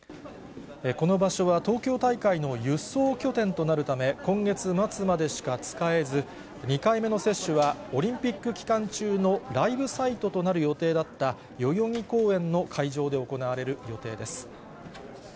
この場所は東京大会の輸送拠点となるため、今月末までしか使えず、２回目の接種はオリンピック期間中のライブサイトとなる予定だった、代々木公園の会場で行われる予定です。